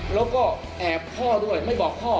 แล้วก็แอบพ่อด้วยไม่บอกพ่อ